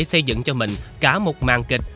xây dựng cho mình cả một màn kịch